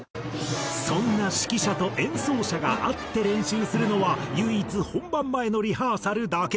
そんな指揮者と演奏者が会って練習するのは唯一本番前のリハーサルだけ。